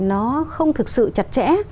nó không thực sự chặt chẽ